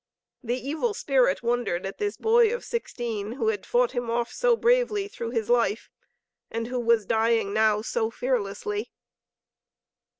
The evil spirit wondered at this boy of sixteen, who had fought him off so bravely through his life and who was dying now so fearlessly.